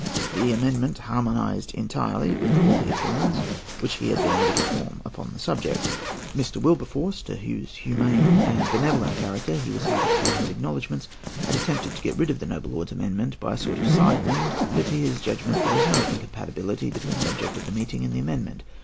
The amendment harmonized entirely with all the opinions which he had been able to form upon subject. Mr. Wilberforce, to whose humane and benevolent Mr. character he was happy to pay his acknowledgments, had attempted to get rid of the noble lord's amendment by a sort of side wind; but to his judgment there was no incompatibility between the object of the meeting and the amendment.